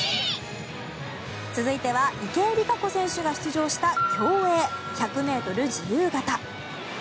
続いては池江璃花子選手が出場した競泳１００ｍ自由形。